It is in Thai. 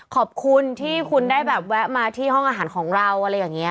ขอบคุณที่คุณได้แบบแวะมาที่ห้องอาหารของเราอะไรอย่างนี้